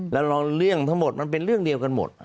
แล้วเรื่องทั้งหมดมันเป็นเรื่องเดียวกันหมด